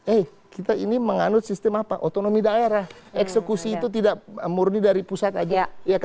eh kita ini menganut sistem apa otonomi daerah eksekusi itu tidak murni dari pusat saja